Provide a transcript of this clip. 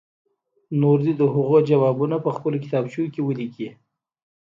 نور دې د هغو ځوابونه په خپلو کتابچو کې ولیکي.